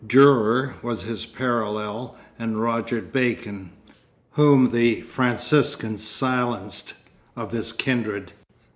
Dürer was his parallel and Roger Bacon—whom the Franciscans silenced—of his kindred.